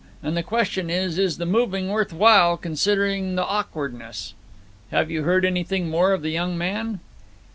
And the question is, Is the moving worth while, considering the awkwardness?' 'Have you heard anything more of the young man?'